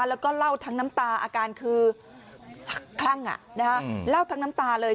แล้วก็เล่าทั้งน้ำตาอาการคือคลั่งเล่าทั้งน้ำตาเลย